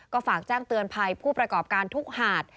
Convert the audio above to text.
ก็ฝากแจ้งเตือนภัยผู้ประกอบการทุกหาด